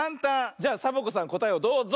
じゃサボ子さんこたえをどうぞ！